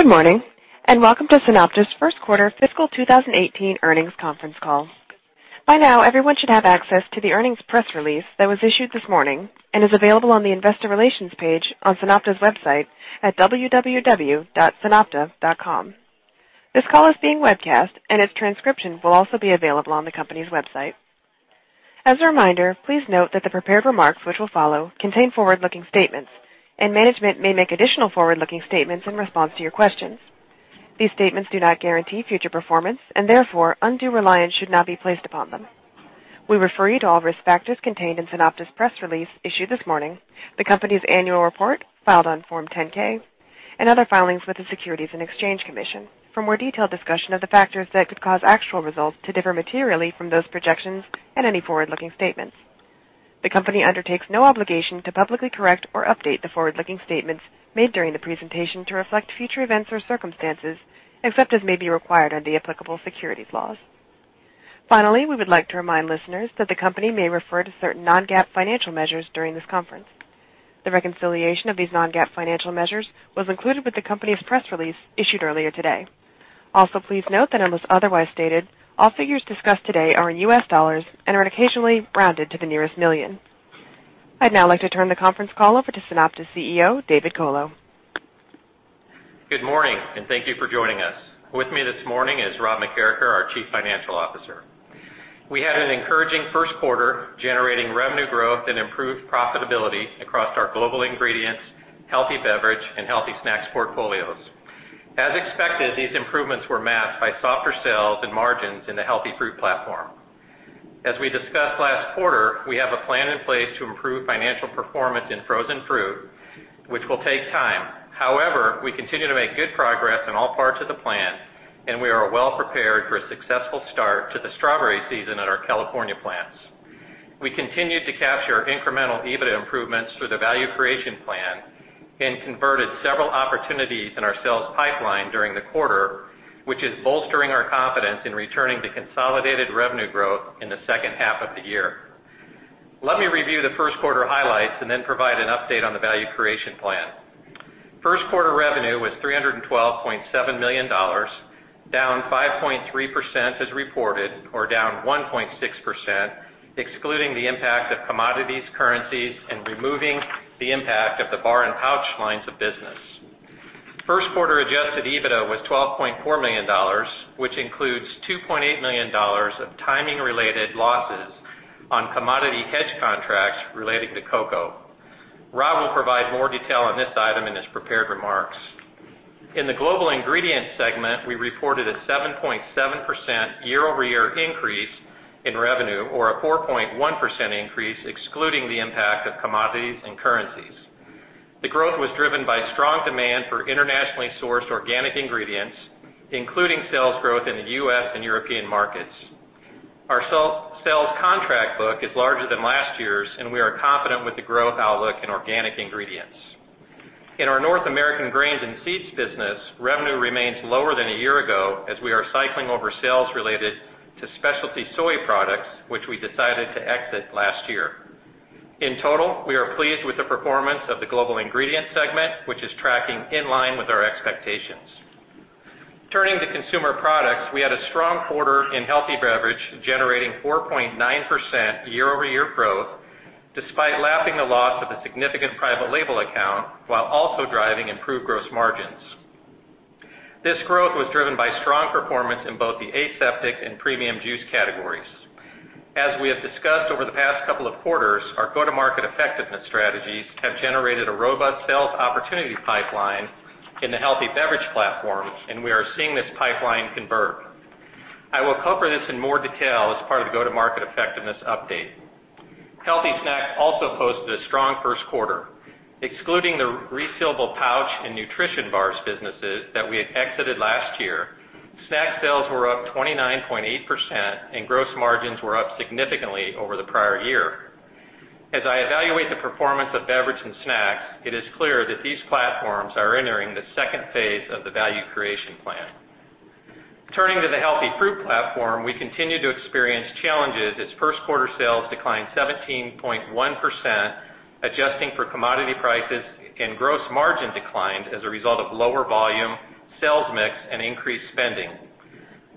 Good morning. Welcome to SunOpta's first quarter fiscal 2018 earnings conference call. By now, everyone should have access to the earnings press release that was issued this morning and is available on the investor relations page on SunOpta's website at www.sunopta.com. This call is being webcast, and its transcription will also be available on the company's website. As a reminder, please note that the prepared remarks which will follow contain forward-looking statements, and management may make additional forward-looking statements in response to your questions. These statements do not guarantee future performance, and therefore, undue reliance should not be placed upon them. We refer you to all risk factors contained in SunOpta's press release issued this morning, the company's annual report filed on Form 10-K, and other filings with the Securities and Exchange Commission for more detailed discussion of the factors that could cause actual results to differ materially from those projections and any forward-looking statements. The company undertakes no obligation to publicly correct or update the forward-looking statements made during the presentation to reflect future events or circumstances, except as may be required under the applicable securities laws. Finally, we would like to remind listeners that the company may refer to certain non-GAAP financial measures during this conference. The reconciliation of these non-GAAP financial measures was included with the company's press release issued earlier today. Also, please note that unless otherwise stated, all figures discussed today are in U.S. dollars and are occasionally rounded to the nearest million. I'd now like to turn the conference call over to SunOpta CEO, David Colo. Good morning. Thank you for joining us. With me this morning is Robert McKeracher, our Chief Financial Officer. We had an encouraging first quarter generating revenue growth and improved profitability across our global ingredients, healthy beverage, and healthy snacks portfolios. As expected, these improvements were masked by softer sales and margins in the healthy fruit platform. As we discussed last quarter, we have a plan in place to improve financial performance in frozen fruit, which will take time. However, we continue to make good progress in all parts of the plan, and we are well prepared for a successful start to the strawberry season at our California plants. We continued to capture incremental EBITDA improvements through the value creation plan and converted several opportunities in our sales pipeline during the quarter, which is bolstering our confidence in returning to consolidated revenue growth in the second half of the year. Let me review the first quarter highlights and then provide an update on the value creation plan. First quarter revenue was $312.7 million, down 5.3% as reported, or down 1.6%, excluding the impact of commodities, currencies, and removing the impact of the bar and pouch lines of business. First quarter adjusted EBITDA was $12.4 million, which includes $2.8 million of timing-related losses on commodity hedge contracts relating to cocoa. Rob will provide more detail on this item in his prepared remarks. In the global ingredients segment, we reported a 7.7% year-over-year increase in revenue or a 4.1% increase excluding the impact of commodities and currencies. The growth was driven by strong demand for internationally sourced organic ingredients, including sales growth in the U.S. and European markets. Our sales contract book is larger than last year's, and we are confident with the growth outlook in organic ingredients. In our North American grains and seeds business, revenue remains lower than a year ago as we are cycling over sales related to specialty soy products, which we decided to exit last year. In total, we are pleased with the performance of the global ingredient segment, which is tracking in line with our expectations. Turning to consumer products, we had a strong quarter in healthy beverage, generating 4.9% year-over-year growth, despite lapping the loss of a significant private label account while also driving improved gross margins. This growth was driven by strong performance in both the aseptic and premium juice categories. As we have discussed over the past couple of quarters, our go-to-market effectiveness strategies have generated a robust sales opportunity pipeline in the healthy beverage platform, and we are seeing this pipeline convert. I will cover this in more detail as part of the go-to-market effectiveness update. Healthy snacks also posted a strong first quarter. Excluding the refillable pouch and nutrition bars businesses that we had exited last year, snack sales were up 29.8% and gross margins were up significantly over the prior year. As I evaluate the performance of beverage and snacks, it is clear that these platforms are entering the second phase of the value creation plan. Turning to the healthy fruit platform, we continue to experience challenges as first quarter sales declined 17.1%, adjusting for commodity prices, and gross margin declined as a result of lower volume, sales mix, and increased spending.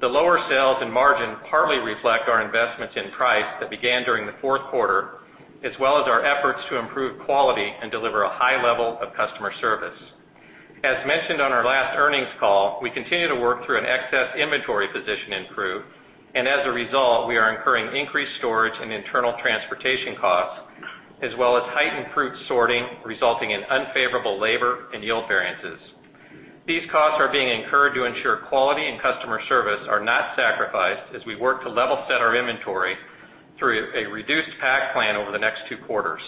The lower sales and margin partly reflect our investments in price that began during the fourth quarter, as well as our efforts to improve quality and deliver a high level of customer service. As mentioned on our last earnings call, we continue to work through an excess inventory position in fruit, and as a result, we are incurring increased storage and internal transportation costs, as well as heightened fruit sorting, resulting in unfavorable labor and yield variances. These costs are being incurred to ensure quality and customer service are not sacrificed as we work to level set our inventory through a reduced pack plan over the next two quarters.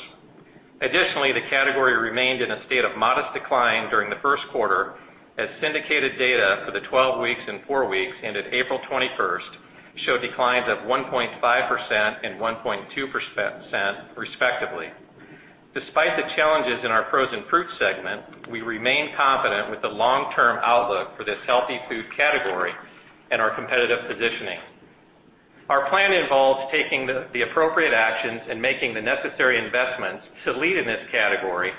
Additionally, the category remained in a state of modest decline during the first quarter, as syndicated data for the 12 weeks and four weeks ended April 21st showed declines of 1.5% and 1.2%, respectively. Despite the challenges in our frozen fruit segment, we remain confident with the long-term outlook for this healthy food category and our competitive positioning. Our plan involves taking the appropriate actions and making the necessary investments to lead in this category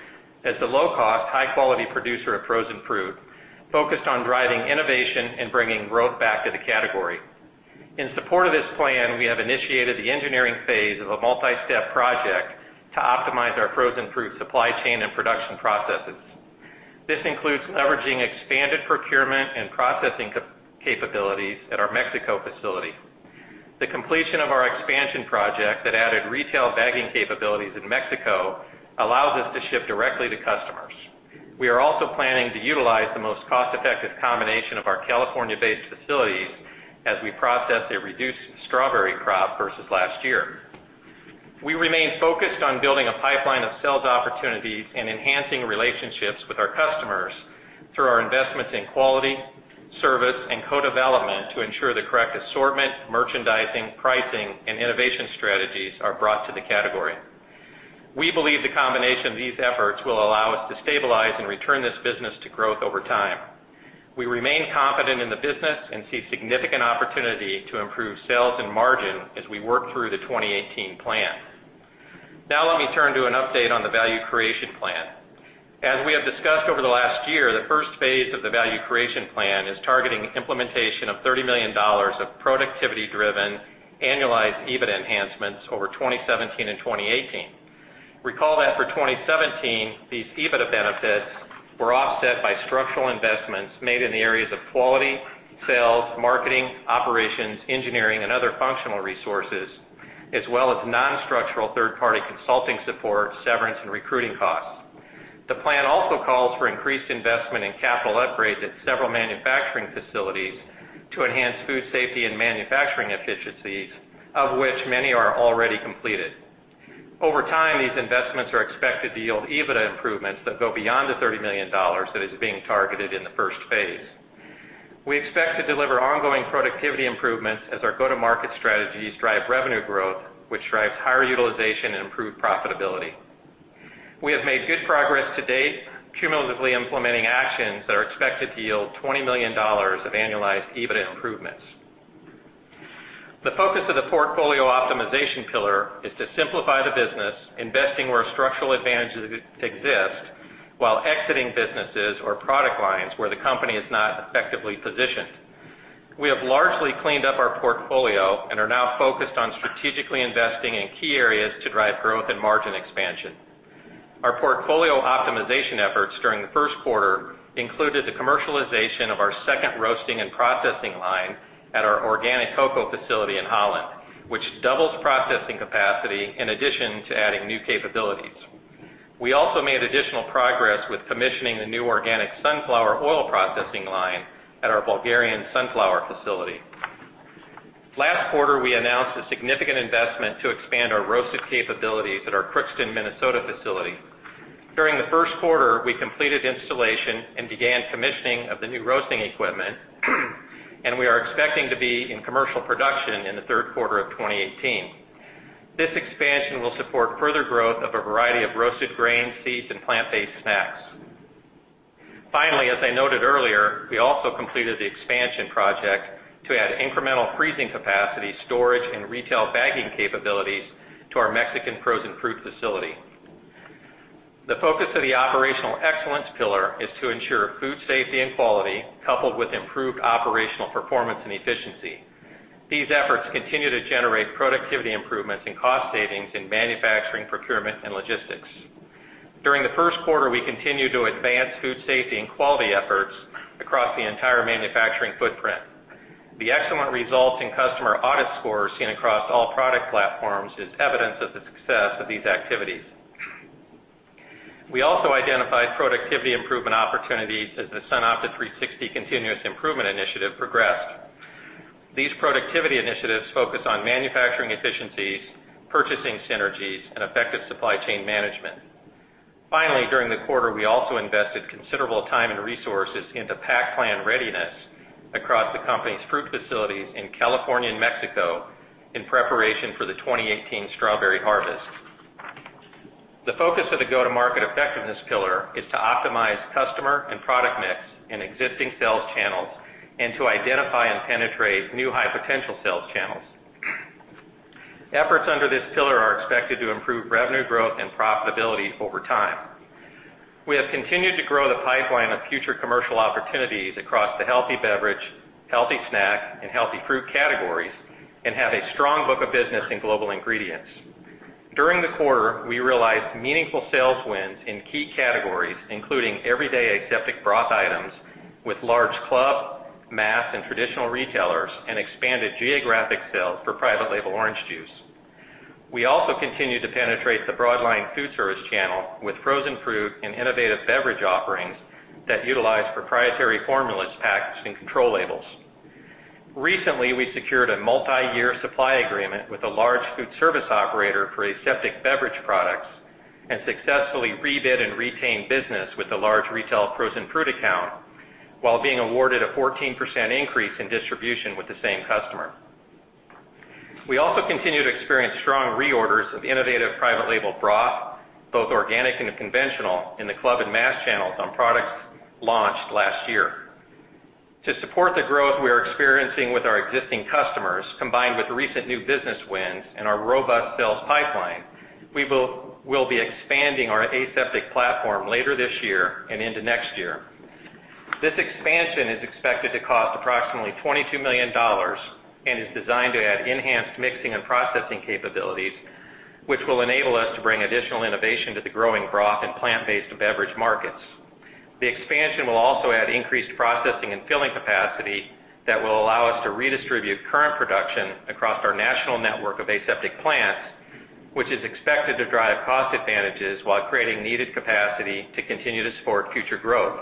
as the low-cost, high-quality producer of frozen fruit, focused on driving innovation and bringing growth back to the category. In support of this plan, we have initiated the engineering phase of a multi-step project to optimize our frozen fruit supply chain and production processes. This includes leveraging expanded procurement and processing capabilities at our Mexico facility. The completion of our expansion project that added retail bagging capabilities in Mexico allows us to ship directly to customers. We are also planning to utilize the most cost-effective combination of our California-based facilities as we process a reduced strawberry crop versus last year. We remain focused on building a pipeline of sales opportunities and enhancing relationships with our customers through our investments in quality, service, and co-development to ensure the correct assortment, merchandising, pricing, and innovation strategies are brought to the category. We believe the combination of these efforts will allow us to stabilize and return this business to growth over time. We remain confident in the business and see significant opportunity to improve sales and margin as we work through the 2018 plan. Let me turn to an update on the value creation plan. As we have discussed over the last year, the first phase of the value creation plan is targeting implementation of $30 million of productivity-driven annualized EBITDA enhancements over 2017 and 2018. Recall that for 2017, these EBITDA benefits were offset by structural investments made in the areas of quality, sales, marketing, operations, engineering, and other functional resources, as well as non-structural third-party consulting support, severance, and recruiting costs. The plan also calls for increased investment in capital upgrades at several manufacturing facilities to enhance food safety and manufacturing efficiencies, of which many are already completed. Over time, these investments are expected to yield EBITDA improvements that go beyond the $30 million that is being targeted in the first phase. We expect to deliver ongoing productivity improvements as our go-to-market strategies drive revenue growth, which drives higher utilization and improved profitability. We have made good progress to date, cumulatively implementing actions that are expected to yield $20 million of annualized EBITDA improvements. The focus of the portfolio optimization pillar is to simplify the business, investing where structural advantages exist, while exiting businesses or product lines where the company is not effectively positioned. We have largely cleaned up our portfolio and are now focused on strategically investing in key areas to drive growth and margin expansion. Our portfolio optimization efforts during the first quarter included the commercialization of our second roasting and processing line at our organic cocoa facility in Holland, which doubles processing capacity in addition to adding new capabilities. We also made additional progress with commissioning the new organic sunflower oil processing line at our Bulgarian sunflower facility. Last quarter, we announced a significant investment to expand our roasted capabilities at our Crookston, Minnesota facility. During the first quarter, we completed installation and began commissioning of the new roasting equipment. We are expecting to be in commercial production in the third quarter of 2018. This expansion will support further growth of a variety of roasted grain, seeds, and plant-based snacks. As I noted earlier, we also completed the expansion project to add incremental freezing capacity storage and retail bagging capabilities to our Mexican frozen fruit facility. The focus of the operational excellence pillar is to ensure food safety and quality, coupled with improved operational performance and efficiency. These efforts continue to generate productivity improvements and cost savings in manufacturing, procurement, and logistics. During the first quarter, we continued to advance food safety and quality efforts across the entire manufacturing footprint. The excellent results in customer audit scores seen across all product platforms is evidence of the success of these activities. We also identified productivity improvement opportunities as the SunOpta 360 continuous improvement initiative progressed. These productivity initiatives focus on manufacturing efficiencies, purchasing synergies, and effective supply chain management. During the quarter, we also invested considerable time and resources into pack plan readiness across the company's fruit facilities in California and Mexico in preparation for the 2018 strawberry harvest. The focus of the go-to-market effectiveness pillar is to optimize customer and product mix in existing sales channels and to identify and penetrate new high-potential sales channels. Efforts under this pillar are expected to improve revenue growth and profitability over time. We have continued to grow the pipeline of future commercial opportunities across the healthy beverage, healthy snack, and healthy fruit categories and have a strong book of business in global ingredients. During the quarter, we realized meaningful sales wins in key categories, including everyday aseptic broth items with large club, mass, and traditional retailers and expanded geographic sales for private label orange juice. We also continued to penetrate the broadline food service channel with frozen fruit and innovative beverage offerings that utilize proprietary formulas, packs, and control labels. Recently, we secured a multi-year supply agreement with a large food service operator for aseptic beverage products and successfully rebid and retained business with a large retail frozen fruit account while being awarded a 14% increase in distribution with the same customer. We also continue to experience strong reorders of innovative private label broth Both organic and conventional in the club and mass channels on products launched last year. To support the growth we are experiencing with our existing customers, combined with recent new business wins and our robust sales pipeline, we will be expanding our aseptic platform later this year and into next year. This expansion is expected to cost approximately $22 million and is designed to add enhanced mixing and processing capabilities, which will enable us to bring additional innovation to the growing broth and plant-based beverage markets. The expansion will also add increased processing and filling capacity that will allow us to redistribute current production across our national network of aseptic plants, which is expected to drive cost advantages while creating needed capacity to continue to support future growth.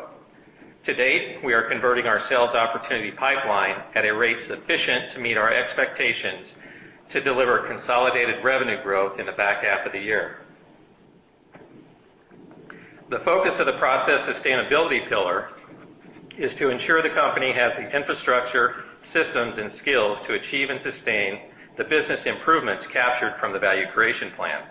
To date, we are converting our sales opportunity pipeline at a rate sufficient to meet our expectations to deliver consolidated revenue growth in the back half of the year. The focus of the process sustainability pillar is to ensure the company has the infrastructure, systems, and skills to achieve and sustain the business improvements captured from the value creation plan.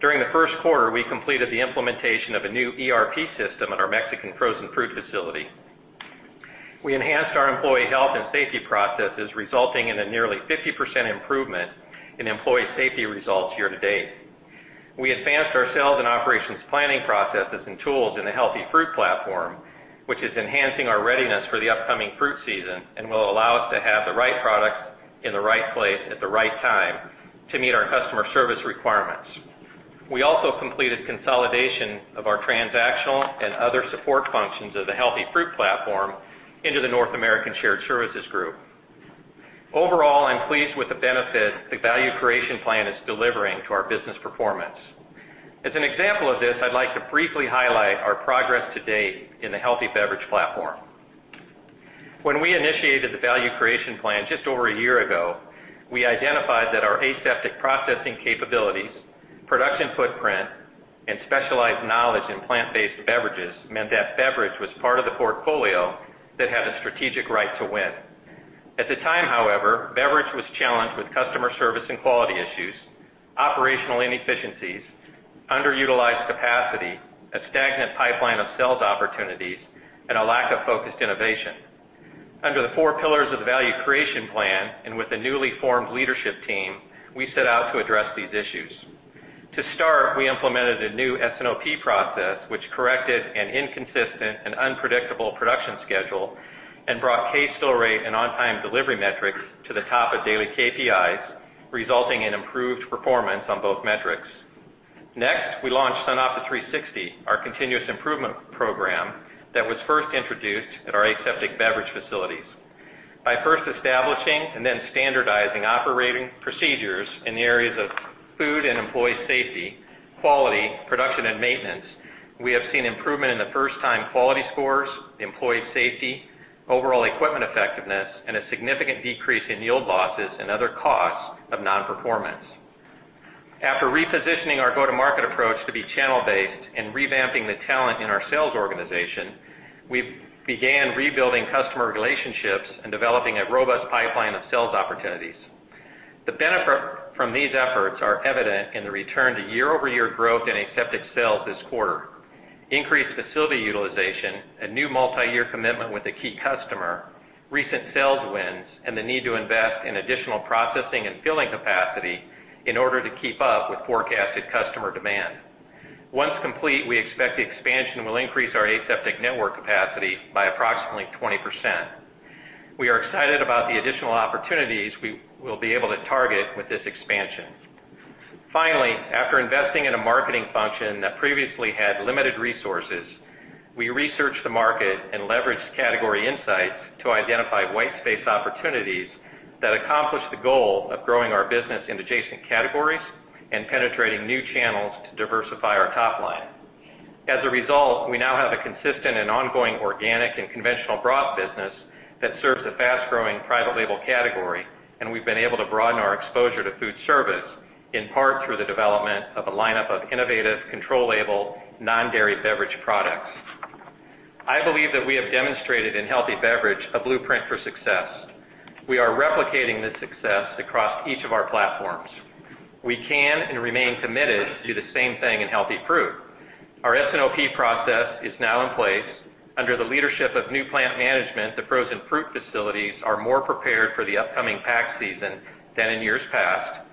During the first quarter, we completed the implementation of a new ERP system at our Mexican frozen fruit facility. We enhanced our employee health and safety processes, resulting in a nearly 50% improvement in employee safety results year to date. We advanced our sales and operations planning processes and tools in the healthy fruit platform, which is enhancing our readiness for the upcoming fruit season and will allow us to have the right products in the right place at the right time to meet our customer service requirements. We also completed consolidation of our transactional and other support functions of the healthy fruit platform into the North American Shared Services Group. Overall, I'm pleased with the benefit the value creation plan is delivering to our business performance. As an example of this, I'd like to briefly highlight our progress to date in the healthy beverage platform. When we initiated the value creation plan just over a year ago, we identified that our aseptic processing capabilities, production footprint, and specialized knowledge in plant-based beverages meant that beverage was part of the portfolio that had a strategic right to win. At the time, however, beverage was challenged with customer service and quality issues, operational inefficiencies, underutilized capacity, a stagnant pipeline of sales opportunities, and a lack of focused innovation. Under the four pillars of the value creation plan and with the newly formed leadership team, we set out to address these issues. To start, we implemented a new S&OP process, which corrected an inconsistent and unpredictable production schedule and brought case fill rate and on-time delivery metrics to the top of daily KPIs, resulting in improved performance on both metrics. Next, we launched SunOpta 360, our continuous improvement program that was first introduced at our aseptic beverage facilities. By first establishing and then standardizing operating procedures in the areas of food and employee safety, quality, production, and maintenance, we have seen improvement in the first-time quality scores, employee safety, overall equipment effectiveness, and a significant decrease in yield losses and other costs of non-performance. After repositioning our go-to-market approach to be channel based and revamping the talent in our sales organization, we began rebuilding customer relationships and developing a robust pipeline of sales opportunities. The benefit from these efforts are evident in the return to year-over-year growth in aseptic sales this quarter, increased facility utilization, a new multiyear commitment with a key customer, recent sales wins, and the need to invest in additional processing and filling capacity in order to keep up with forecasted customer demand. Once complete, we expect the expansion will increase our aseptic network capacity by approximately 20%. We are excited about the additional opportunities we will be able to target with this expansion. Finally, after investing in a marketing function that previously had limited resources, we researched the market and leveraged category insights to identify white space opportunities that accomplish the goal of growing our business in adjacent categories and penetrating new channels to diversify our top line. As a result, we now have a consistent and ongoing organic and conventional broth business that serves a fast-growing private label category. We've been able to broaden our exposure to food service, in part through the development of a lineup of innovative, control label, non-dairy beverage products. I believe that we have demonstrated in healthy beverage a blueprint for success. We are replicating this success across each of our platforms. We can and remain committed to do the same thing in healthy fruit. Our S&OP process is now in place. Under the leadership of new plant management, the frozen fruit facilities are more prepared for the upcoming pack season than in years past.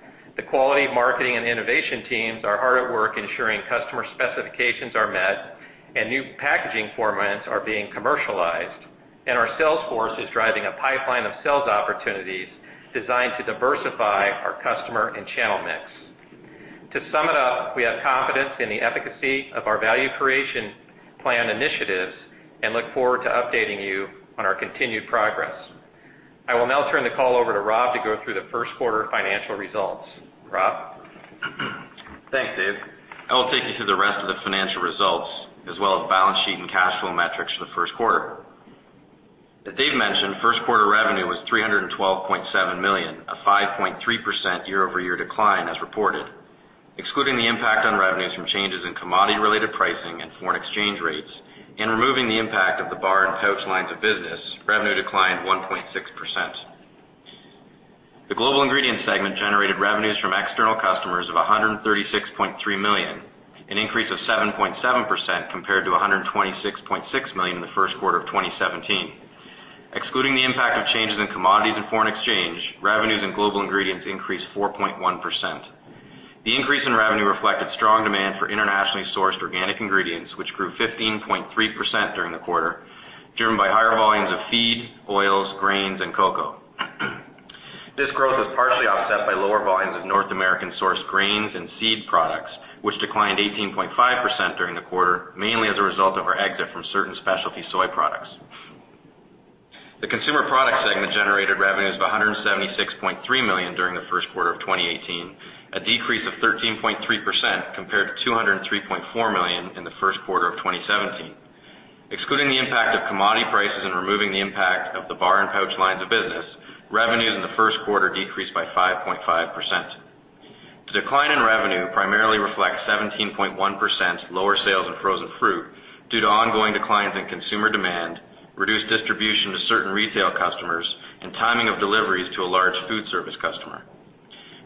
Thanks, Dave. I will take you through the rest of the financial results as well as balance sheet and cash flow metrics for the first quarter. As Dave mentioned, first quarter revenue was $312.7 million, a 5.3% year-over-year decline as reported. Excluding the impact on revenues from changes in commodity related pricing and foreign exchange rates, removing the impact of the bar and pouch lines of business, revenue declined 1.6%. The global ingredient segment generated revenues from external customers of $136.3 million, an increase of 7.7% compared to $126.6 million in the first quarter of 2017. Excluding the impact of changes in commodities and foreign exchange, revenues in global ingredients increased 4.1%. The increase in revenue reflected strong demand for internationally sourced organic ingredients, which grew 15.3% during the quarter, driven by higher volumes of feed, oils, grains, and cocoa. This growth was partially offset by lower volumes of North American-sourced grains and seed products, which declined 18.5% during the quarter, mainly as a result of our exit from certain specialty soy products. The consumer products segment generated revenues of $176.3 million during the first quarter of 2018,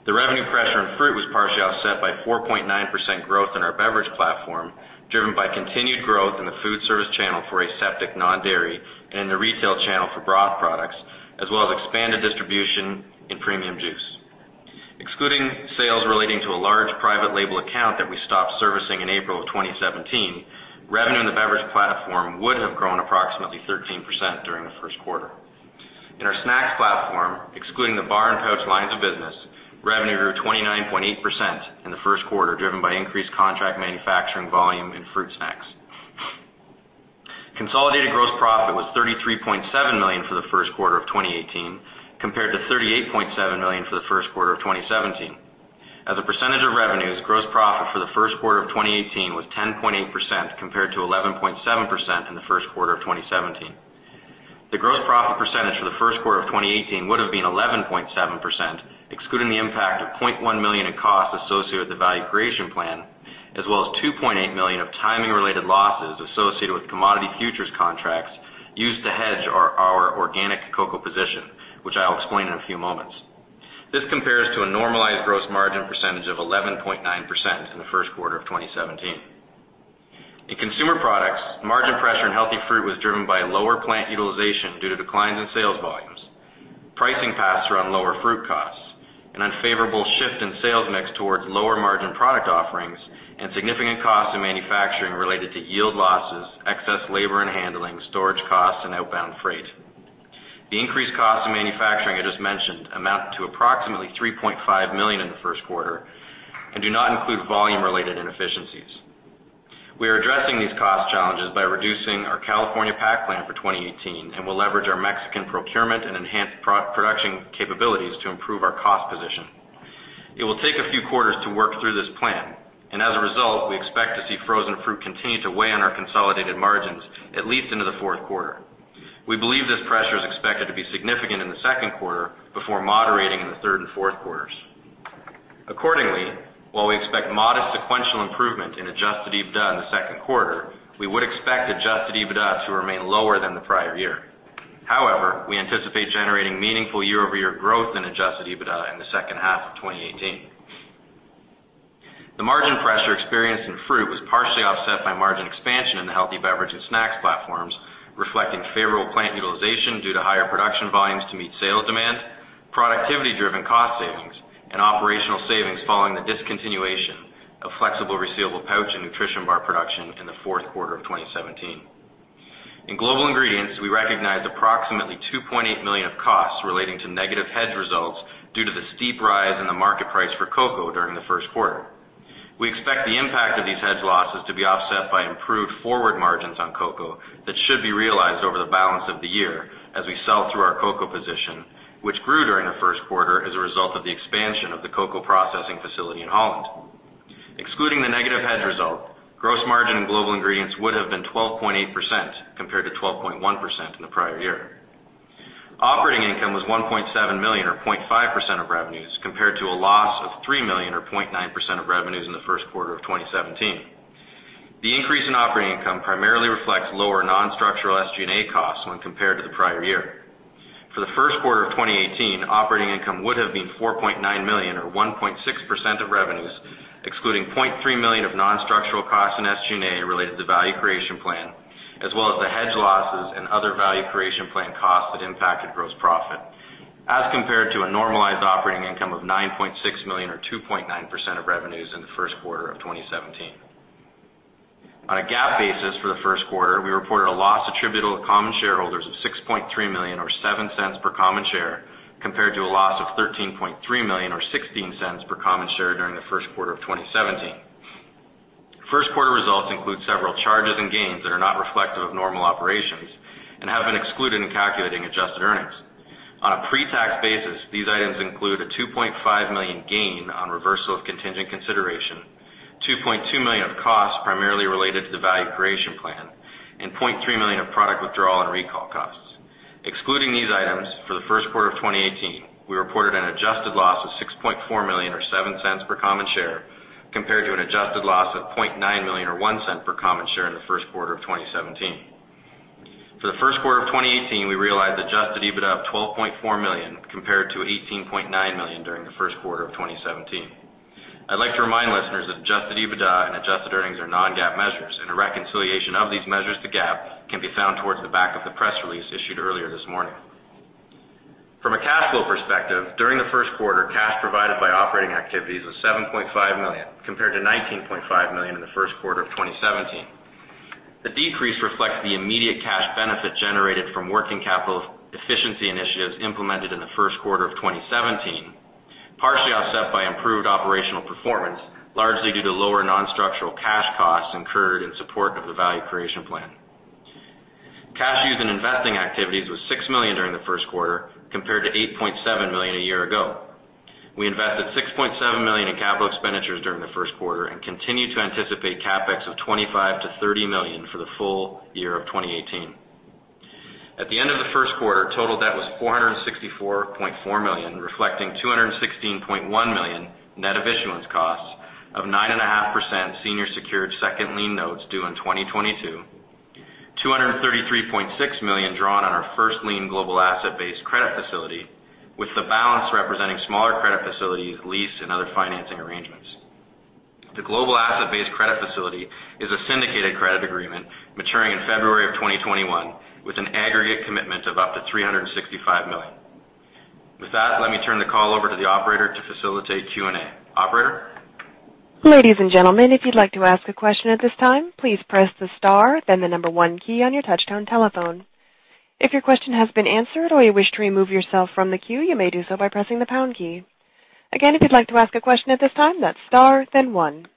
The revenue pressure on fruit was partially offset by 4.9% growth in our beverage platform, driven by continued growth in the food service channel for aseptic non-dairy and the retail channel for broth products, as well as expanded distribution in premium juice. Excluding sales relating to a large private label account that we stopped servicing in April of 2017, revenue in the beverage platform would have grown approximately 13% during the first quarter. In our snacks platform, excluding the bar and pouch lines of business, revenue grew 29.8% in the first quarter, driven by increased contract manufacturing volume and fruit snacks. Consolidated gross profit was $33.7 million for the first quarter of 2018, compared to $38.7 million for the first quarter of 2017. As a percentage of revenues, gross profit for the first quarter of 2018 was 10.8%, compared to 11.7% in the first quarter of 2017. The gross profit percentage for the first quarter of 2018 would have been 11.7%, excluding the impact of $0.1 million in costs associated with the value creation plan, as well as $2.8 million of timing related losses associated with commodity futures contracts used to hedge our organic cocoa position, which I will explain in a few moments. This compares to a normalized gross margin percentage of 11.9% in the first quarter of 2017. In consumer products, margin pressure in healthy fruit was driven by lower plant utilization due to declines in sales volumes, pricing passed through on lower fruit costs, an unfavorable shift in sales mix towards lower margin product offerings, and significant costs in manufacturing related to yield losses, excess labor and handling, storage costs, and outbound freight. The increased cost of manufacturing I just mentioned amount to approximately $3.5 million in the first quarter and do not include volume related inefficiencies. We are addressing these cost challenges by reducing our California pack plan for 2018 and will leverage our Mexican procurement and enhance production capabilities to improve our cost position. It will take a few quarters to work through this plan, and as a result, we expect to see frozen fruit continue to weigh on our consolidated margins at least into the fourth quarter. We believe this pressure is expected to be significant in the second quarter before moderating in the third and fourth quarters. Accordingly, while we expect modest sequential improvement in adjusted EBITDA in the second quarter, we would expect adjusted EBITDA to remain lower than the prior year. However, we anticipate generating meaningful year-over-year growth in adjusted EBITDA in the second half of 2018. The margin pressure experienced in fruit was partially offset by margin expansion in the healthy beverage and snacks platforms, reflecting favorable plant utilization due to higher production volumes to meet sales demand, productivity driven cost savings, and operational savings following the discontinuation of flexible resealable pouch and nutrition bar production in the fourth quarter of 2017. In global ingredients, we recognized approximately $2.8 million of costs relating to negative hedge results due to the steep rise in the market price for cocoa during the first quarter. We expect the impact of these hedge losses to be offset by improved forward margins on cocoa that should be realized over the balance of the year as we sell through our cocoa position, which grew during the first quarter as a result of the expansion of the cocoa processing facility in Holland. Excluding the negative hedge result, gross margin in global ingredients would've been 12.8% compared to 12.1% in the prior year. Operating income was $1.7 million, or 0.5% of revenues, compared to a loss of $3 million or 0.9% of revenues in the first quarter of 2017. The increase in operating income primarily reflects lower non-structural SG&A costs when compared to the prior year. For the first quarter of 2018, operating income would've been $4.9 million or 1.6% of revenues, excluding $0.3 million of non-structural costs in SG&A related to value creation plan, as well as the hedge losses and other value creation plan costs that impacted gross profit, as compared to a normalized operating income of $9.6 million or 2.9% of revenues in the first quarter of 2017. On a GAAP basis for the first quarter, we reported a loss attributable to common shareholders of $6.3 million or $0.07 per common share, compared to a loss of $13.3 million or $0.16 per common share during the first quarter of 2017. First quarter results include several charges and gains that are not reflective of normal operations and have been excluded in calculating adjusted earnings. On a pre-tax basis, these items include a $2.5 million gain on reversal of contingent consideration, $2.2 million of costs primarily related to the value creation plan, and $0.3 million of product withdrawal and recall costs. Excluding these items, for the first quarter of 2018, we reported an adjusted loss of $6.4 million or $0.07 per common share, compared to an adjusted loss of $0.9 million or $0.01 per common share in the first quarter of 2017. For the first quarter of 2018, we realized adjusted EBITDA of $12.4 million compared to $18.9 million during the first quarter of 2017. I'd like to remind listeners that adjusted EBITDA and adjusted earnings are non-GAAP measures, and a reconciliation of these measures to GAAP can be found towards the back of the press release issued earlier this morning. From a cash flow perspective, during the first quarter, cash provided by operating activities was $7.5 million, compared to $19.5 million in the first quarter of 2017. The decrease reflects the immediate cash benefit generated from working capital efficiency initiatives implemented in the first quarter of 2017, partially offset by improved operational performance, largely due to lower non-structural cash costs incurred in support of the value creation plan. Cash used in investing activities was $6 million during the first quarter, compared to $8.7 million a year ago. We invested $6.7 million in capital expenditures during the first quarter and continue to anticipate CapEx of $25 million-$30 million for the full year of 2018. At the end of the first quarter, total debt was $464.4 million, reflecting $216.1 million net of issuance costs of 9.5% senior secured second lien notes due in 2022, $233.6 million drawn on our first lien global asset-based credit facility, with the balance representing smaller credit facilities, lease, and other financing arrangements. The global asset-based credit facility is a syndicated credit agreement maturing in February of 2021 with an aggregate commitment of up to $365 million. With that, let me turn the call over to the operator to facilitate Q&A. Operator? Ladies and gentlemen, if you'd like to ask a question at this time, please press the star then the number one key on your touchtone telephone. If your question has been answered or you wish to remove yourself from the queue, you may do so by pressing the pound key. Again, if you'd like to ask a question at this time, that's star then one.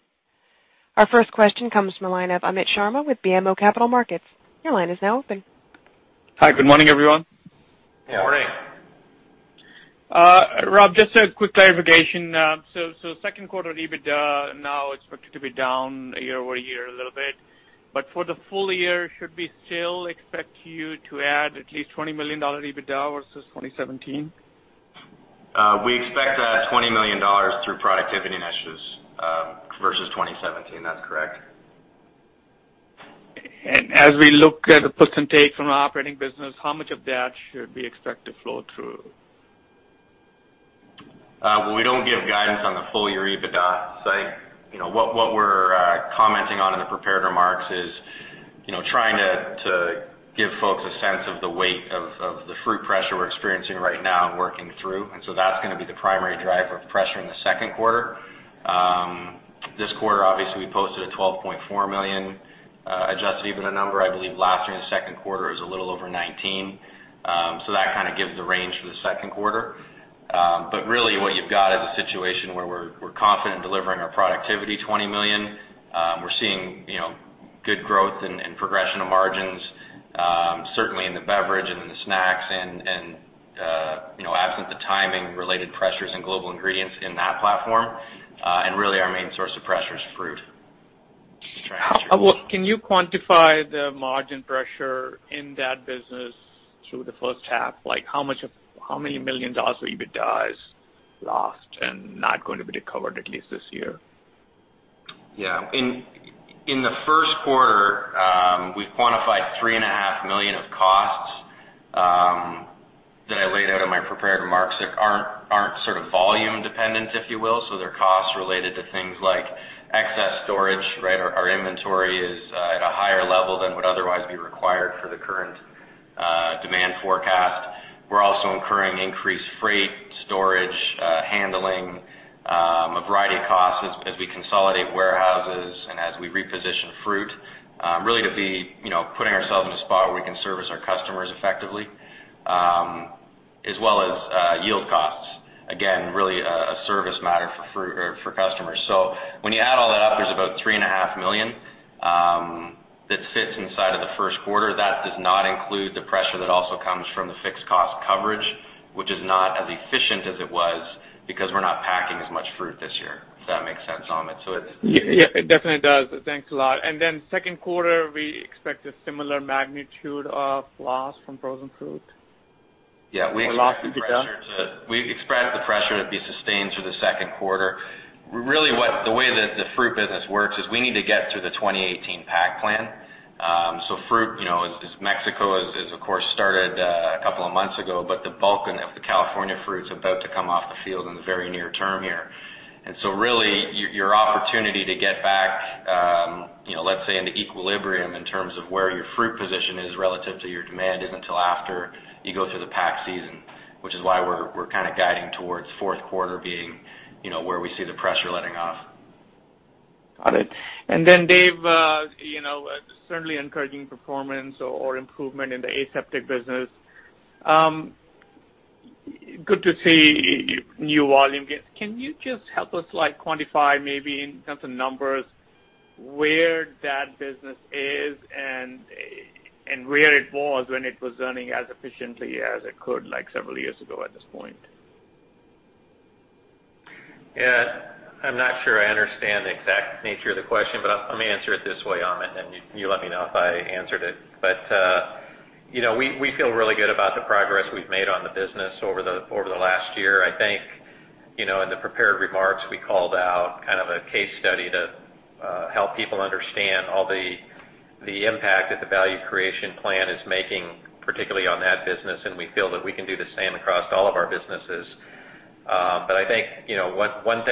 Our first question comes from the line of Amit Sharma with BMO Capital Markets. Your line is now open. Hi. Good morning, everyone. Good morning. Rob, just a quick clarification. Second quarter EBITDA now expected to be down year-over-year a little bit. For the full year, should we still expect you to add at least $20 million EBITDA versus 2017? We expect to add $20 million through productivity initiatives versus 2017. That's correct. As we look at the puts and takes from an operating business, how much of that should we expect to flow through? Well, we don't give guidance on the full-year EBITDA. What we're commenting on in the prepared remarks is trying to give folks a sense of the weight of the fruit pressure we're experiencing right now and working through. That's going to be the primary driver of pressure in the second quarter. This quarter, obviously, we posted a $12.4 million adjusted EBITDA number. I believe last year in the second quarter, it was a little over $19 million, so that kind of gives the range for the second quarter. Really what you've got is a situation where we're confident in delivering our productivity, $20 million. We're seeing good growth and progression of margins, certainly in the beverage and in the snacks and absent the timing related pressures in global ingredients in that platform. Really our main source of pressure is fruit. Can you quantify the margin pressure in that business through the first half? Like how many millions of dollars of EBITDA is lost and not going to be recovered at least this year? In the first quarter, we've quantified three and a half million of costs that I laid out in my prepared remarks that aren't sort of volume dependent, if you will. They're costs related to things like excess storage, right? Our inventory is at a higher level than would otherwise be required for the current demand forecast. We're also incurring increased freight, storage, handling, a variety of costs as we consolidate warehouses and as we reposition fruit, really to be putting ourselves in a spot where we can service our customers effectively, as well as yield costs. Again, really a service matter for customers. When you add all that up, there's about three and a half million that sits inside of the first quarter. That does not include the pressure that also comes from the fixed cost coverage, which is not as efficient as it was because we're not packing as much fruit this year, if that makes sense, Amit. It definitely does. Thanks a lot. Second quarter, we expect a similar magnitude of loss from frozen fruit? We expect the pressure to be sustained through the second quarter. Really, the way that the fruit business works is we need to get to the 2018 pack plan. Fruit, Mexico has of course started a couple of months ago, but the bulk of the California fruit is about to come off the field in the very near term here. Really, your opportunity to get back, let's say, into equilibrium in terms of where your fruit position is relative to your demand isn't until after you go through the pack season, which is why we're kind of guiding towards fourth quarter being where we see the pressure letting off. Got it. Then, Dave, certainly encouraging performance or improvement in the aseptic business. Good to see new volume gains. Can you just help us quantify maybe in terms of numbers where that business is and where it was when it was running as efficiently as it could, like several years ago at this point? Yeah. I'm not sure I understand the exact nature of the question, I'm going to answer it this way, Amit, you let me know if I answered it. We feel really good about the progress we've made on the business over the last year. I think In the prepared remarks, we called out a case study to help people understand all the impact that the value creation plan is making, particularly on that business, we feel that we can do the same across all of our businesses. I think, one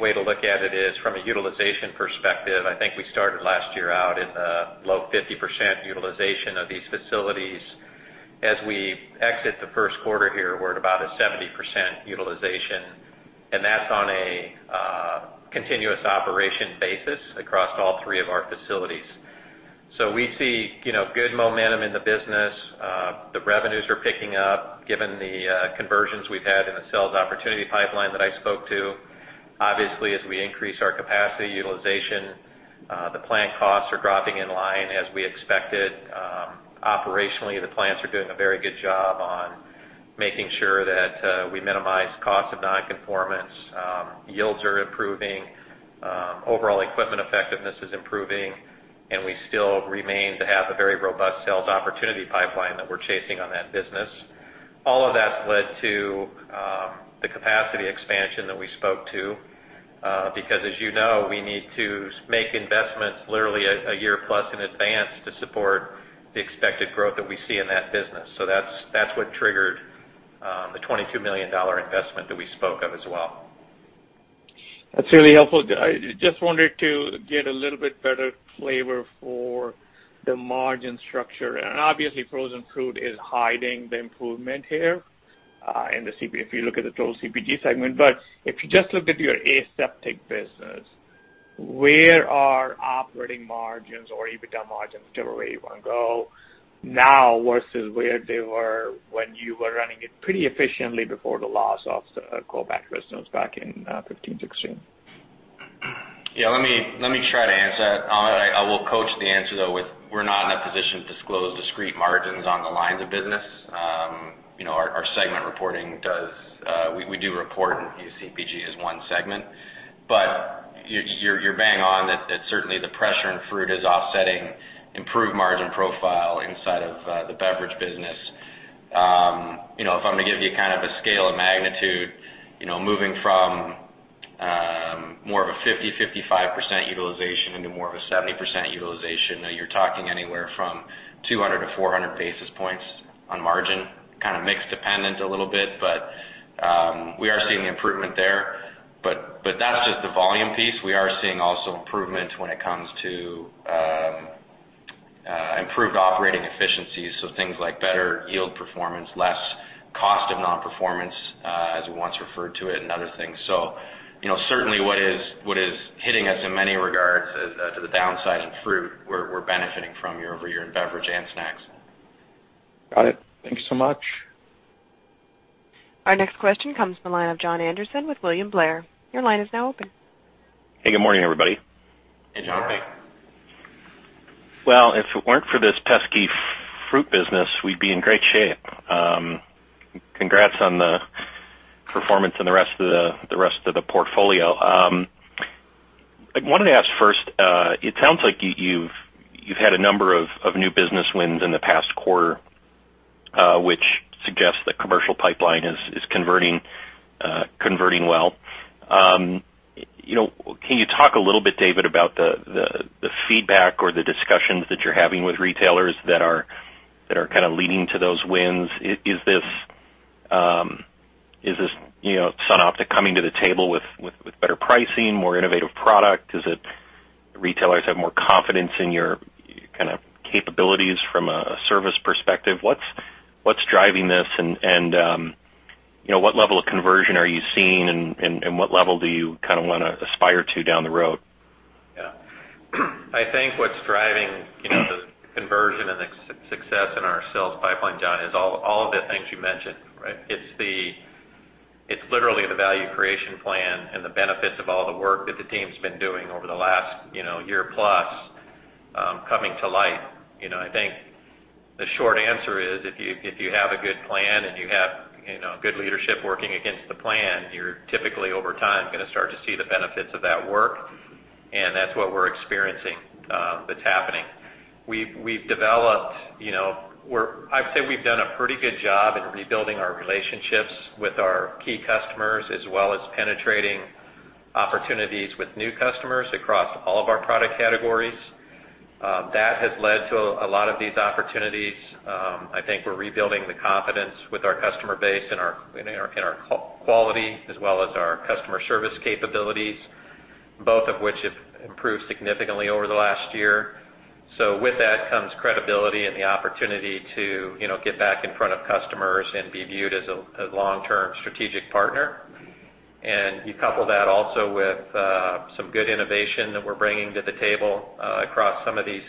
way to look at it is from a utilization perspective. I think we started last year out in the low 50% utilization of these facilities. As we exit the first quarter here, we're at about a 70% utilization, and that's on a continuous operation basis across all three of our facilities. We see good momentum in the business. The revenues are picking up, given the conversions we've had in the sales opportunity pipeline that I spoke to. Obviously, as we increase our capacity utilization, the plant costs are dropping in line as we expected. Operationally, the plants are doing a very good job on making sure that we minimize cost of non-conformance. Yields are improving. Overall equipment effectiveness is improving, we still remain to have a very robust sales opportunity pipeline that we're chasing on that business. All of that's led to the capacity expansion that we spoke to. As you know, we need to make investments literally a year plus in advance to support the expected growth that we see in that business. That's what triggered the $22 million investment that we spoke of as well. That's really helpful. I just wanted to get a little bit better flavor for the margin structure. Obviously, frozen fruit is hiding the improvement here, if you look at the total CPG segment. If you just looked at your aseptic business, where are operating margins or EBITDA margins, whichever way you want to go, now versus where they were when you were running it pretty efficiently before the loss of the co-pack business back in 2015, 2016? Yeah, let me try to answer that. I will coach the answer, though, with we're not in a position to disclose discrete margins on the lines of business. We do report CPG as one segment. You're bang on that certainly the pressure in fruit is offsetting improved margin profile inside of the beverage business. If I'm going to give you a scale of magnitude, moving from more of a 50%-55% utilization into more of a 70% utilization, now you're talking anywhere from 200 to 400 basis points on margin. Kind of mix dependent a little bit, but we are seeing improvement there. That's just the volume piece. We are seeing also improvement when it comes to improved operating efficiencies, so things like better yield performance, less cost of non-performance, as we once referred to it, and other things. Certainly what is hitting us in many regards to the downside in fruit, we're benefiting from year-over-year in beverage and snacks. Got it. Thank you so much. Our next question comes from the line of Jon Andersen with William Blair. Your line is now open. Hey, good morning, everybody. Hey, Jon. Well, if it weren't for this pesky fruit business, we'd be in great shape. Congrats on the performance on the rest of the portfolio. I wanted to ask first, it sounds like you've had a number of new business wins in the past quarter, which suggests that commercial pipeline is converting well. Can you talk a little bit, David, about the feedback or the discussions that you're having with retailers that are leading to those wins? Is this SunOpta coming to the table with better pricing, more innovative product? Is it retailers have more confidence in your capabilities from a service perspective? What's driving this and what level of conversion are you seeing and what level do you want to aspire to down the road? Yeah. I think what's driving the conversion and the success in our sales pipeline, Jon, is all of the things you mentioned, right? It's literally the value creation plan and the benefits of all the work that the team's been doing over the last year plus coming to light. I think the short answer is, if you have a good plan and you have good leadership working against the plan, you're typically, over time, going to start to see the benefits of that work, and that's what we're experiencing that's happening. I'd say we've done a pretty good job in rebuilding our relationships with our key customers, as well as penetrating opportunities with new customers across all of our product categories. That has led to a lot of these opportunities. I think we're rebuilding the confidence with our customer base in our quality as well as our customer service capabilities, both of which have improved significantly over the last year. With that comes credibility and the opportunity to get back in front of customers and be viewed as a long-term strategic partner. You couple that also with some good innovation that we're bringing to the table across some of these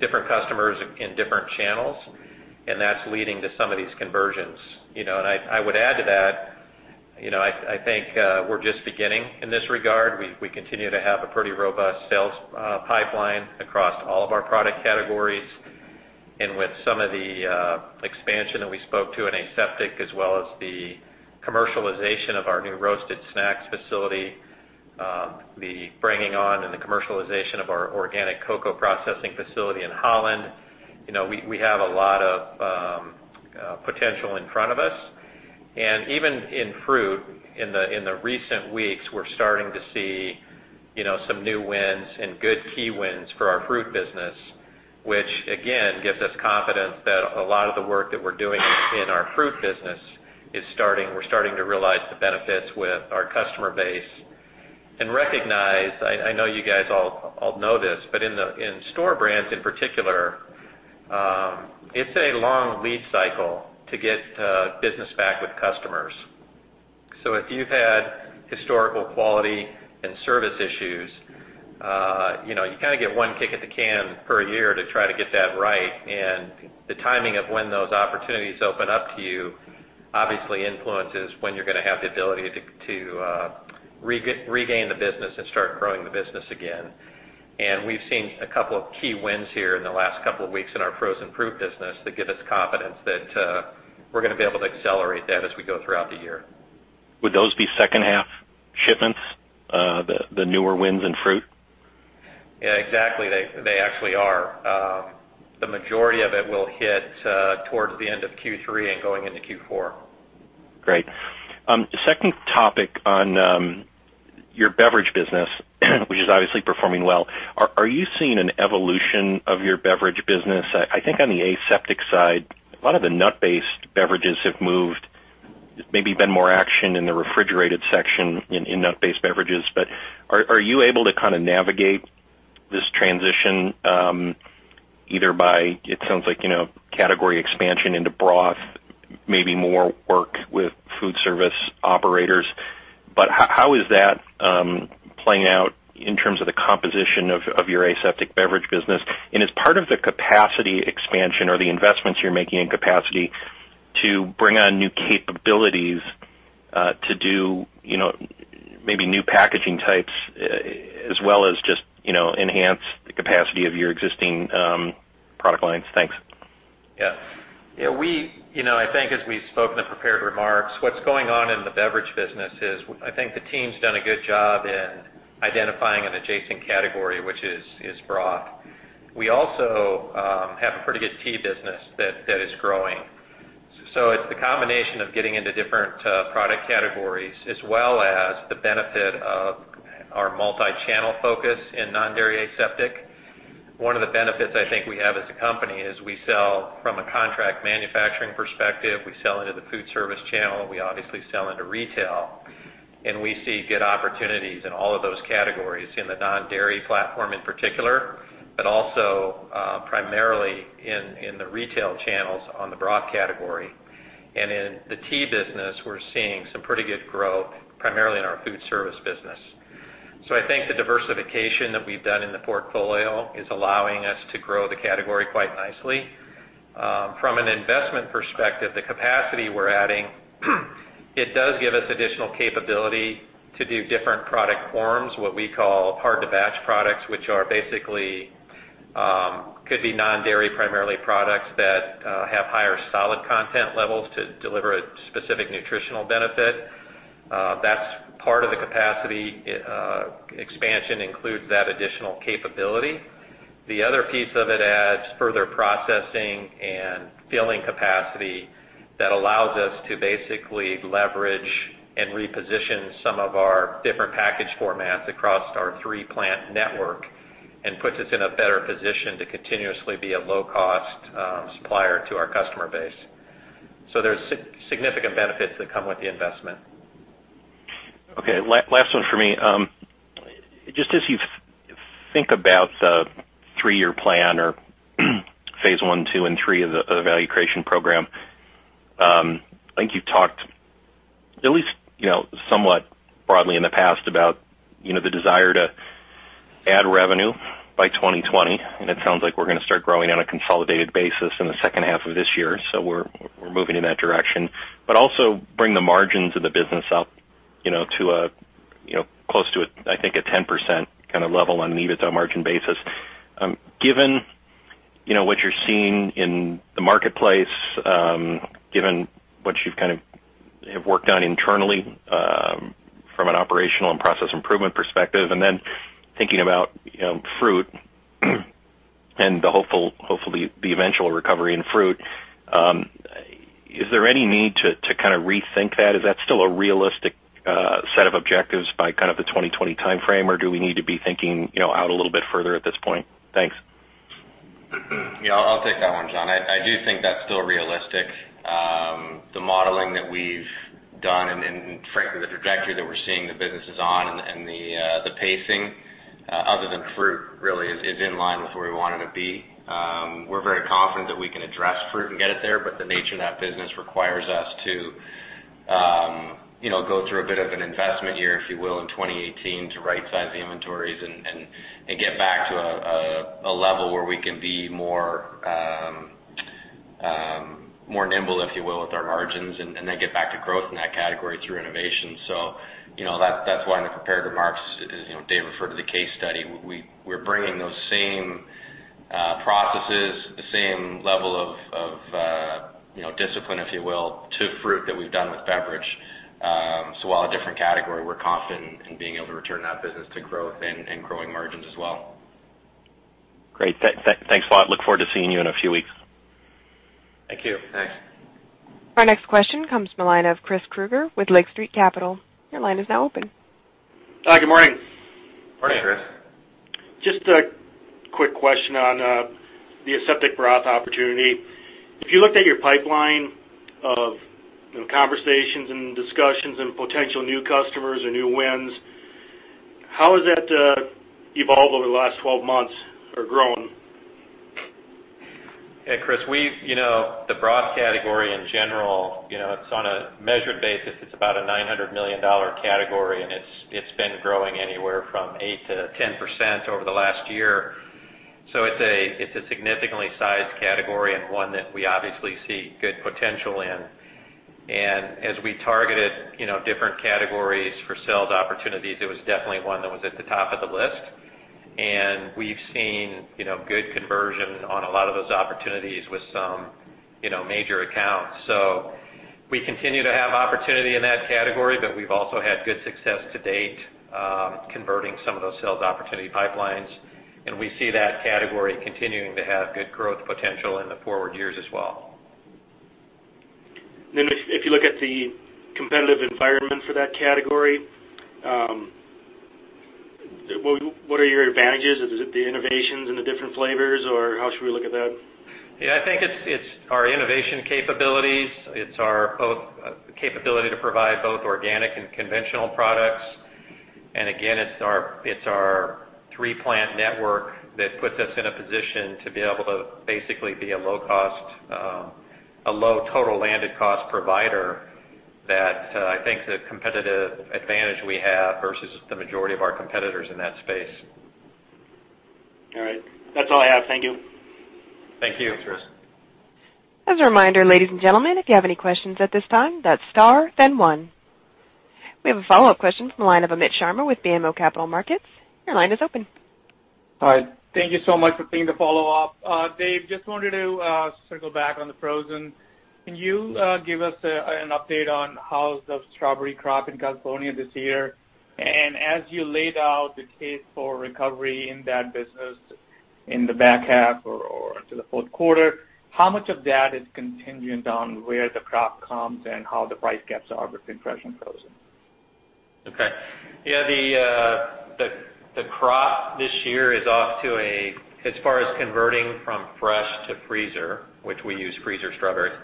different customers in different channels, and that's leading to some of these conversions. I would add to that, I think we're just beginning in this regard. We continue to have a pretty robust sales pipeline across all of our product categories. With some of the expansion that we spoke to in aseptic, as well as the commercialization of our new roasted snacks facility. The bringing on and the commercialization of our organic cocoa processing facility in Holland. We have a lot of potential in front of us. Even in fruit, in the recent weeks, we're starting to see some new wins and good key wins for our fruit business, which again gives us confidence that a lot of the work that we're doing in our fruit business, we're starting to realize the benefits with our customer base and recognize, I know you guys all know this, but in store brands in particular, it's a long lead cycle to get business back with customers. If you've had historical quality and service issues, you kind of get one kick at the can per year to try to get that right, and the timing of when those opportunities open up to you obviously influences when you're going to have the ability to regain the business and start growing the business again. We've seen a couple of key wins here in the last couple of weeks in our frozen fruit business that give us confidence that we're going to be able to accelerate that as we go throughout the year. Would those be second half shipments, the newer wins in fruit? Yeah, exactly. They actually are. The majority of it will hit towards the end of Q3 and going into Q4. Great. Second topic on your beverage business, which is obviously performing well. Are you seeing an evolution of your beverage business? I think on the aseptic side, a lot of the nut-based beverages have moved, maybe been more action in the refrigerated section in nut-based beverages. Are you able to kind of navigate this transition, either by, it sounds like, category expansion into broth, maybe more work with food service operators. How is that playing out in terms of the composition of your aseptic beverage business? Is part of the capacity expansion or the investments you're making in capacity to bring on new capabilities to do maybe new packaging types as well as just enhance the capacity of your existing product lines? Thanks. Yeah. I think as we spoke in the prepared remarks, what's going on in the beverage business is, I think the team's done a good job in identifying an adjacent category, which is broth. We also have a pretty good tea business that is growing. It's the combination of getting into different product categories as well as the benefit of our multi-channel focus in non-dairy aseptic. One of the benefits I think we have as a company is we sell from a contract manufacturing perspective, we sell into the food service channel, we obviously sell into retail, and we see good opportunities in all of those categories, in the non-dairy platform in particular, but also primarily in the retail channels on the broth category. In the tea business, we're seeing some pretty good growth, primarily in our food service business. I think the diversification that we've done in the portfolio is allowing us to grow the category quite nicely. From an investment perspective, the capacity we're adding, it does give us additional capability to do different product forms, what we call hard-to-batch products, which are basically could be non-dairy, primarily products that have higher solid content levels to deliver a specific nutritional benefit. That's part of the capacity expansion includes that additional capability. The other piece of it adds further processing and filling capacity that allows us to basically leverage and reposition some of our different package formats across our three-plant network and puts us in a better position to continuously be a low-cost supplier to our customer base. There's significant benefits that come with the investment. Okay, last one for me. Just as you think about the three-year plan or phase 1, 2, and 3 of the value creation program, I think you've talked at least somewhat broadly in the past about the desire to add revenue by 2020, and it sounds like we're going to start growing on a consolidated basis in the second half of this year, we're moving in that direction, but also bring the margins of the business up close to, I think, a 10% kind of level on an EBITDA margin basis. Given what you're seeing in the marketplace, given what you've kind of have worked on internally from an operational and process improvement perspective, and then thinking about fruit and hopefully the eventual recovery in fruit, is there any need to kind of rethink that? Is that still a realistic set of objectives by kind of the 2020 timeframe, or do we need to be thinking out a little bit further at this point? Thanks. I'll take that one, Jon. I do think that's still realistic. The modeling that we've done and frankly, the trajectory that we're seeing the business is on and the pacing other than fruit really is in line with where we want it to be. We're very confident that we can address fruit and get it there, but the nature of that business requires us to go through a bit of an investment year, if you will, in 2018 to right size the inventories and get back to a level where we can be more nimble, if you will, with our margins and then get back to growth in that category through innovation. That's why in the prepared remarks David referred to the case study. We're bringing those same processes, the same level of discipline, if you will, to fruit that we've done with beverage. While a different category, we're confident in being able to return that business to growth and growing margins as well. Great. Thanks a lot. Look forward to seeing you in a few weeks. Thank you. Thanks. Our next question comes from the line of Chris Krueger with Lake Street Capital. Your line is now open. Hi, good morning. Morning, Chris. A quick question on the aseptic broth opportunity. If you looked at your pipeline of conversations and discussions and potential new customers or new wins, how has that evolved over the last 12 months or grown? Hey, Chris, the broth category in general, it's on a measured basis, it's about a $900 million category, and it's been growing anywhere from 8%-10% over the last year. It's a significantly sized category and one that we obviously see good potential in. As we targeted different categories for sales opportunities, it was definitely one that was at the top of the list. We've seen good conversion on a lot of those opportunities with some major accounts. We continue to have opportunity in that category, but we've also had good success to date, converting some of those sales opportunity pipelines, and we see that category continuing to have good growth potential in the forward years as well. If you look at the competitive environment for that category, what are your advantages? Is it the innovations and the different flavors, or how should we look at that? Yeah, I think it's our innovation capabilities. It's our capability to provide both organic and conventional products. Again, it's our three-plant network that puts us in a position to be able to basically be a low total landed cost provider that I think the competitive advantage we have versus the majority of our competitors in that space. All right. That's all I have. Thank you. Thank you. Thanks, Chris. As a reminder, ladies and gentlemen, if you have any questions at this time, that's star then one. We have a follow-up question from the line of Amit Sharma with BMO Capital Markets. Your line is open. Hi. Thank you so much for taking the follow-up. Dave, just wanted to circle back on the frozen. Can you give us an update on how's the strawberry crop in California this year? As you laid out the case for recovery in that business in the back half or into the fourth quarter, how much of that is contingent on where the crop comes and how the price gaps are with fresh and frozen? Okay. Yeah, the crop this year is off to a, as far as converting from fresh to freezer, which we use freezer strawberries,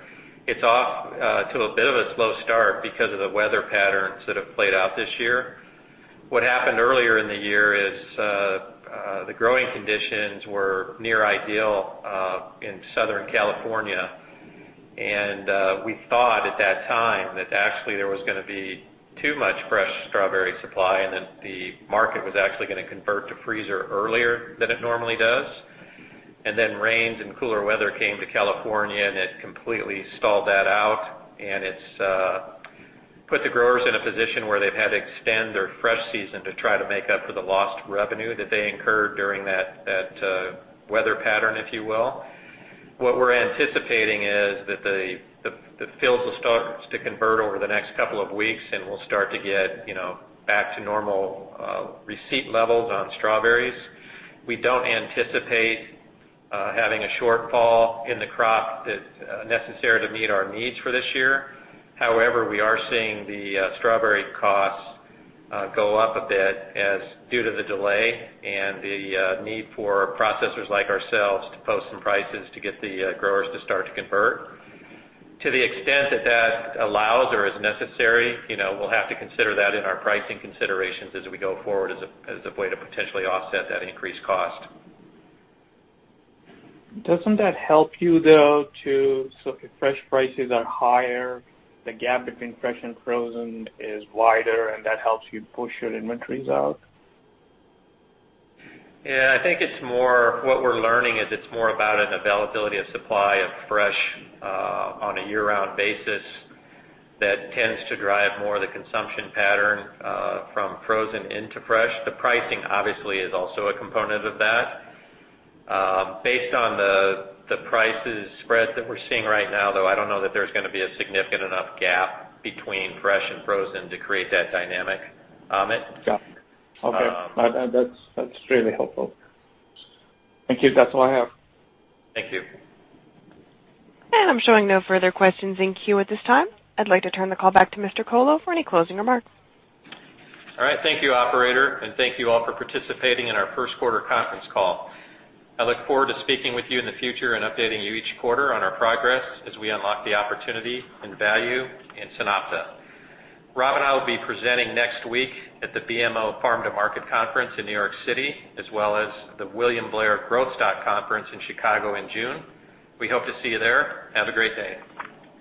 it's off to a bit of a slow start because of the weather patterns that have played out this year. What happened earlier in the year is, the growing conditions were near ideal in Southern California, and we thought at that time that actually there was going to be too much fresh strawberry supply and that the market was actually going to convert to freezer earlier than it normally does. Then rains and cooler weather came to California, and it completely stalled that out, and it's put the growers in a position where they've had to extend their fresh season to try to make up for the lost revenue that they incurred during that weather pattern, if you will. What we're anticipating is that the fields will start to convert over the next couple of weeks, and we'll start to get back to normal receipt levels on strawberries. We don't anticipate having a shortfall in the crop that's necessary to meet our needs for this year. However, we are seeing the strawberry costs go up a bit due to the delay and the need for processors like ourselves to post some prices to get the growers to start to convert. To the extent that that allows or is necessary, we'll have to consider that in our pricing considerations as we go forward as a way to potentially offset that increased cost. Doesn't that help you, though, too? If your fresh prices are higher, the gap between fresh and frozen is wider, and that helps you push your inventories out? Yeah, I think what we're learning is it's more about an availability of supply of fresh on a year-round basis that tends to drive more of the consumption pattern from frozen into fresh. The pricing obviously is also a component of that. Based on the prices spread that we're seeing right now, though, I don't know that there's going to be a significant enough gap between fresh and frozen to create that dynamic, Amit. Got it. Okay. That's really helpful. Thank you. That's all I have. Thank you. I'm showing no further questions in queue at this time. I'd like to turn the call back to Mr. Colo for any closing remarks. All right. Thank you, operator, and thank you all for participating in our first quarter conference call. I look forward to speaking with you in the future and updating you each quarter on our progress as we unlock the opportunity and value in SunOpta. Rob and I will be presenting next week at the BMO Farm to Market Conference in New York City, as well as the William Blair Growth Stock Conference in Chicago in June. We hope to see you there. Have a great day.